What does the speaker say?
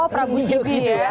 oh prabu sibi ya